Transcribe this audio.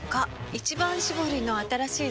「一番搾り」の新しいの？